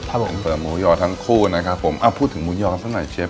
ได้ครับครับผมเกี่ยวกับมุยยอทั้งคู่นะครับผมพูดถึงมุยยอสั้นน่ะเชฟ